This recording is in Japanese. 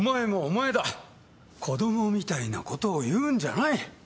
子供みたいなことを言うんじゃない。